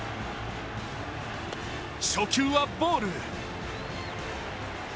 初球はボール。